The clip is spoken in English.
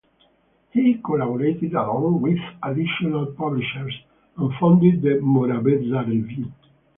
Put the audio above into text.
He collaborated along with additional publishers and founded the "Morabeza" review.